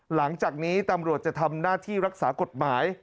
หลังจากนี้ตำรวจจะทำหน้าที่รักษากฎหมาย